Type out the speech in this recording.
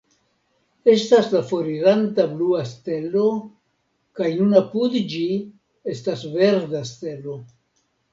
Estis la foriranta blua stelo, kaj nun apud ĝi estis verda stelo.